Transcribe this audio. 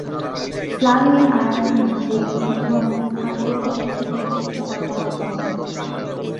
ইসলামী আইন যে হিন্দু-আইনের স্থান পুরাপুরি দখল করেনি এতে তার প্রমাণ পাওয়া যায়।